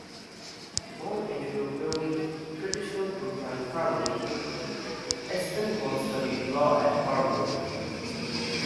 Born into a wealthy, traditional Brookline family, Aspinwall studied law at Harvard.